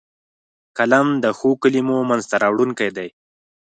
قلم د ښو کلمو منځ ته راوړونکی دی